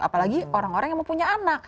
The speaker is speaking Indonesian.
apalagi orang orang yang mau punya anak